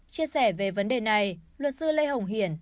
chia sẻ về vấn đề này luật sư lê hồng hiển